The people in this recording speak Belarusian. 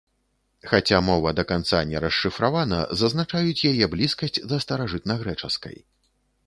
Хаця мова да канца не расшыфравана, зазначаюць яе блізкасць да старажытнагрэчаскай.